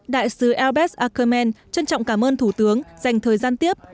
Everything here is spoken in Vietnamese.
đại sứ elbes ackerman trân trọng cảm ơn thủ tướng dành thời gian tiếp